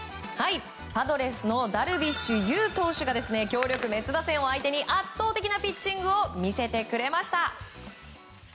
パドレスのダルビッシュ有投手が強力メッツ打線を相手に圧倒的なピッチングを見せてくれました。